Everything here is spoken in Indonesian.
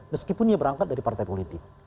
meskipun dia berangkat dari partai politik